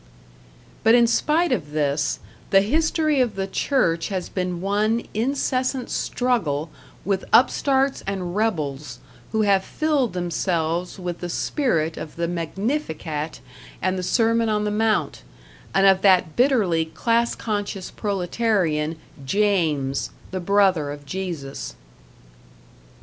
But in spite of this, the history of the Church has been one incessant struggle with upstarts and rebels who have filled themselves with the spirit of the Magnificat and the Sermon on the Mount, and of that bitterly class conscious proletarian, James, the brother of Jesus.